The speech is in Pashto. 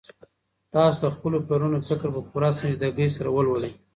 تاسو د خپلو پلرونو فکر په پوره سنجيدګۍ سره ولولئ.